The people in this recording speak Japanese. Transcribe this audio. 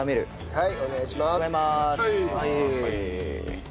はい。